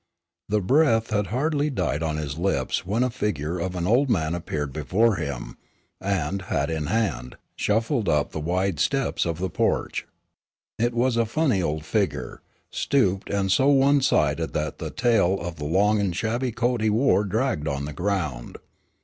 The breath had hardly died on his lips when the figure of an old man appeared before him, and, hat in hand, shuffled up the wide steps of the porch. It was a funny old figure, stooped and so one sided that the tail of the long and shabby coat he wore dragged on the ground.